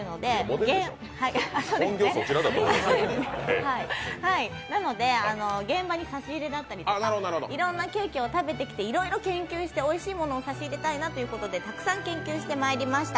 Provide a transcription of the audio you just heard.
本業、そちらだと思いますがなので、現場に差し入れだったりとか、いろんなケーキを食べてきていろいろ研究しておいしいものを差し入れたいなということでたくさん研究してまいりました。